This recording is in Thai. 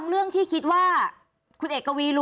คุณเอกวีสนิทกับเจ้าแม็กซ์แค่ไหนคะ